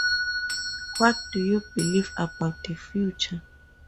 What Do You Believe About The Future?